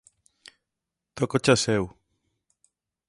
Tócochas eu